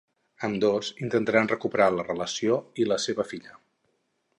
Els dos intentaran recuperar la relació i la seva filla.